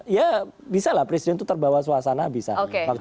ya bisa lah presiden itu terbawa suasana bisa